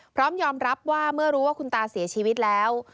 พร้อมยอมรับว่าเมื่อรู้ว่าคุณตาเสียชีวิตแล้ว